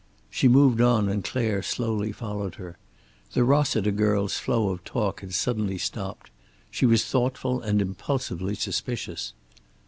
She moved on and Clare slowly followed her. The Rossiter girl's flow of talk had suddenly stopped. She was thoughtful and impulsively suspicious.